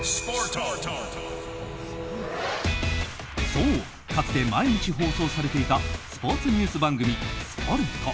そう、かつて毎日放送されていたスポーツニュース番組「すぽると！」。